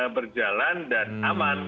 berjalan dan aman